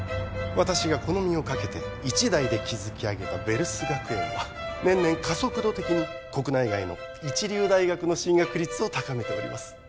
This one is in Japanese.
私がこの身をかけて一代で築き上げたヴェルス学園は年々加速度的に国内外の一流大学の進学率を高めております